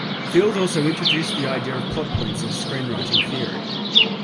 Field also introduced the idea of Plot Points into screenwriting theory.